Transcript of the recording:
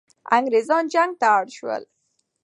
انګریزان جنگ ته اړ سول.